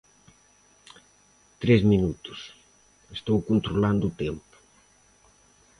Tres minutos, estou controlando o tempo.